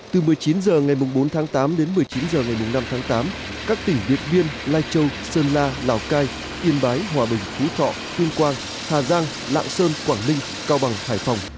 từ một mươi chín h ngày mùng bốn tháng tám đến một mươi chín h ngày mùng năm tháng tám các tỉnh việt viên lai châu sơn la lào cai yên bái hòa bình hú thọ hương quang hà giang lạng sơn quảng ninh cao bằng hải phòng